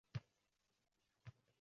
Bosqinchining